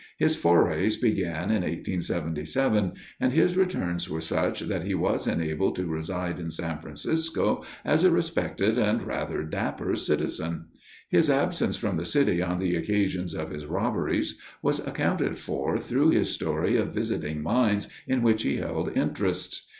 His forays began in 1877, and his returns were such that he was enabled to reside in San Francisco as a respected and rather dapper citizen. His absence from the city on the occasions of his robberies was accounted for through his story of visiting mines in which he held interests.